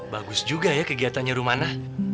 bagus juga ya kegiatannya rumana